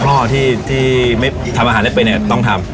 พ่อที่ไม่ทำอาหารได้เป็นเนี่ยต้องทำ